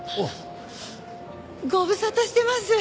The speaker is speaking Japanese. ご無沙汰してます。